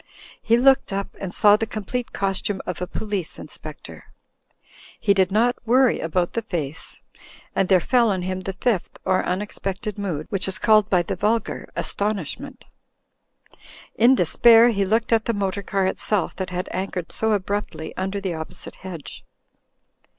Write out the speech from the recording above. He looked up and saw the complete costume of a Police Inspec tor. He did not worry about the face. And there fell on him the Fifth, or Unexpected Mood, which is called by the vulgar Astonishment. In despair he looked at the motor car itself that had anchored so abruptly under the opposite hedge.